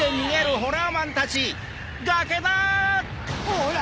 ホラ！